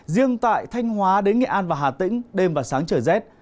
riêng tại thanh hóa đến nghệ an và hà tĩnh đêm và sáng trời rét